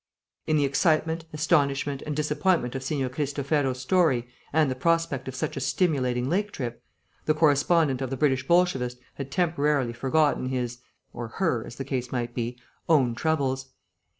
In the excitement, astonishment, and disappointment of Signor Cristofero's story and the prospect of such a stimulating lake trip, the correspondent of the British Bolshevist had temporarily forgotten his (or her, as the case might be) own troubles.